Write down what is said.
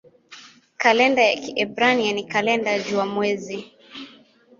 Kalenda ya Kiebrania ni kalenda jua-mwezi.